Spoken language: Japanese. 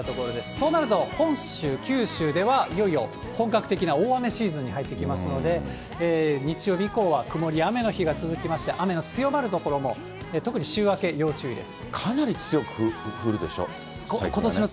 そうなると、本州、九州では、いよいよ本格的な大雨シーズンに入ってきますので、日曜日以降は、曇りや雨の日が続きまして、雨の強まる所も、特に週明け、要注意です。